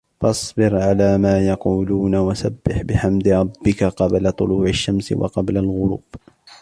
فَاصْبِرْ عَلَى مَا يَقُولُونَ وَسَبِّحْ بِحَمْدِ رَبِّكَ قَبْلَ طُلُوعِ الشَّمْسِ وَقَبْلَ الْغُرُوبِ